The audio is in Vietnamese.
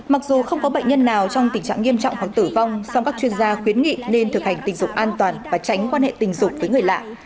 mặc dù không có bệnh nhân nào trong tình trạng nghiêm trọng hoặc tử vong song các chuyên gia khuyến nghị nên thực hành tình dục an toàn và tránh quan hệ tình dục với người lạ